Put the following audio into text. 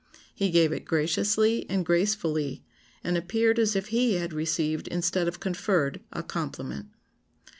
He gave it graciously and gracefully, and appeared as if he had received instead of conferred a compliment."